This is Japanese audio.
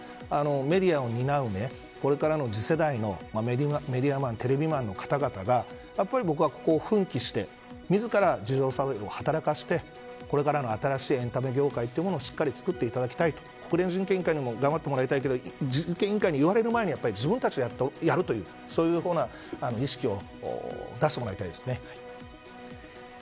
メディアを担うこれからの次世代のメディアマンテレビマンの方々がやっぱり、ここは奮起して自ら自浄作用を働かせてこれからの新しいエンタメ業界をしっかり作っていただきたいと国連人権委員会にも頑張ってもらいたいけど人権委員会に言われる前に自分たちでしっかりやるというような意識を出してもらいたいですね。